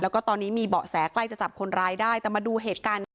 แล้วก็ตอนนี้มีเบาะแสใกล้จะจับคนร้ายได้แต่มาดูเหตุการณ์นี้